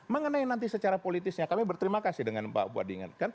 mengenai nanti secara politisnya kami berterima kasih dengan pak buading